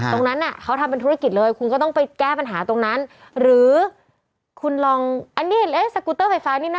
ตรงนั้นน่ะเขาทำทุรกิจเลยคุณก็ต้องไปแก้ปัญหาตรงนั้น